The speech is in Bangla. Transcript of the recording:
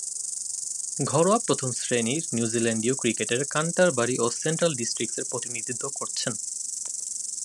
ঘরোয়া প্রথম-শ্রেণীর নিউজিল্যান্ডীয় ক্রিকেটে ক্যান্টারবারি ও সেন্ট্রাল ডিস্ট্রিক্টসের প্রতিনিধিত্ব করেছেন।